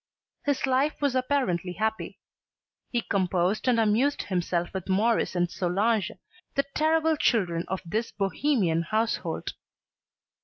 His life was apparently happy. He composed and amused himself with Maurice and Solange, the "terrible children" of this Bohemian household.